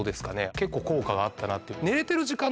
結構効果があったなって。